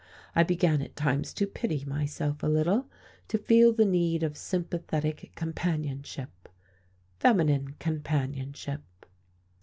I began at times to pity myself a little, to feel the need of sympathetic companionship feminine companionship....